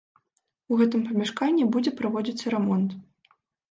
У гэтым памяшканні будзе праводзіцца рамонт.